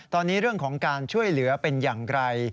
ตอนนี้เรื่องของการช่วยเหลือเป็นอย่างไร